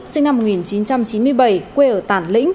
sinh năm một nghìn chín trăm chín mươi bảy quê ở tản lĩnh